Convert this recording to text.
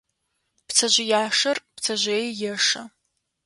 Пцэжъыяшэр пцэжъые ешэ.